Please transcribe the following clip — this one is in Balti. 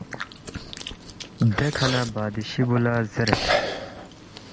دیکھہ نہ بادشی بُو لہ زیرید